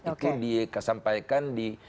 itu di sampaikan di